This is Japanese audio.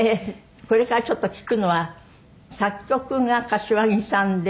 これからちょっと聴くのは作曲が柏木さんで。